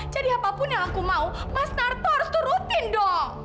jadi apapun yang aku mau mas marto harus turutin dong